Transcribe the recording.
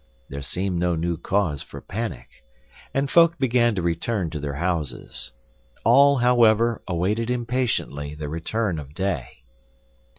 There seemed no new cause for panic; and folk began to return to their houses. All, however, awaited impatiently the return of day.